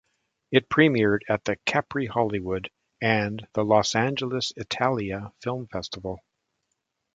It premiered at the Capri-Hollywood and the Los Angeles-Italia Film Festival.